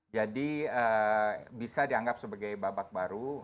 jadi bisa dianggap sebagai babak baru